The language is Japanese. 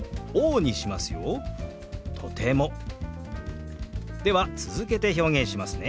では続けて表現しますね。